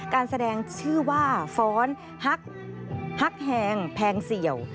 การแสดงชื่อว่าฟ้อนฮักแฮงแพงเสี่ยว